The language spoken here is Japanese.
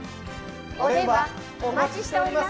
お電話お待ちしております。